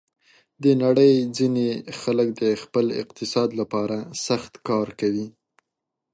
د نړۍ ځینې خلک د خپل اقتصاد لپاره سخت کار کوي.